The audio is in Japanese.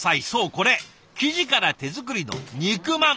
これ生地から手作りの肉まん。